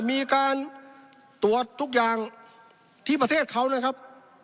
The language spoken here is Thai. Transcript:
มีการตรวจทุกอย่างที่ประเทศเขานะครับ